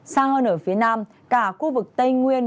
xa hơn ở phía nam cả khu vực tây nguyên